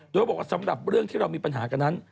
โดยบอกว่าสำหรับเรื่องที่เรามีปัญหากันนั้น